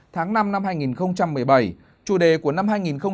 tháng năm năm hai nghìn một mươi bảy chủ đề của năm hai nghìn một mươi chín